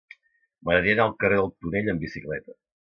M'agradaria anar al carrer del Tonell amb bicicleta.